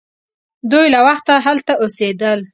دوی له وخته هلته اوسیدل.